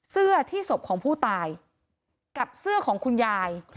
เสื้อที่ศพของผู้ตายกับเสื้อของคุณยาย